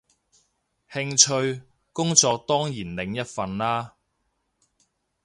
興趣，工作當然另一份啦